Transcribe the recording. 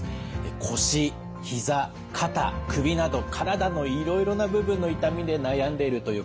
腰ひざ肩首など体のいろいろな部分の痛みで悩んでいるという方多いんですよね。